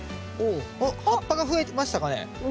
おっ葉っぱが増えましたかね。